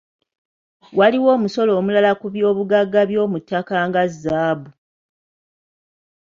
Waliwo omusolo omulala ku by’obugagga eby’omuttaka nga zzaabu.